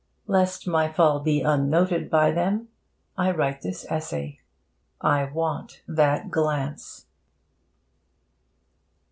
Lest my fall be unnoted by them, I write this essay. I want that glance.